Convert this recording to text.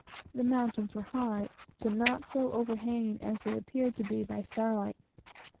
The mountains were high, but not so overhanging as they appeared to be by starlight.